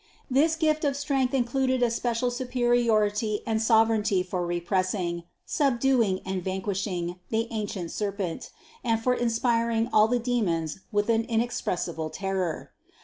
This gift of strength included a special superiority and sov ereignty for repressing, subduing and vanquishing the ancient serpent, and for inspiring all the demons with an inexpressible terror.